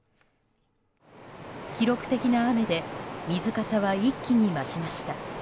記録的な雨で水かさは一気に増しました。